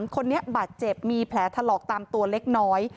คนนี้บาดเจ็บมีแผลถลอกตามตัวเล็กน้อย